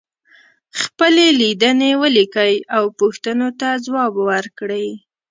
خپلې لیدنې ولیکئ او پوښتنو ته ځواب ورکړئ.